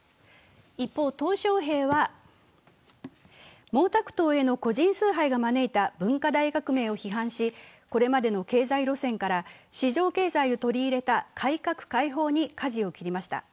一方、トウ小平は毛沢東への個人崇拝が招いた文化大革命を批判し、これまでの経済路線から市場経済を取り入れた改革開放にかじを切りました。